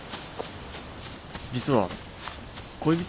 実は恋人？